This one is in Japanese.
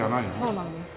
そうなんです。